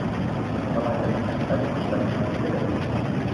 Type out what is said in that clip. ئەوان لە محەممەد بەتەمەنترن.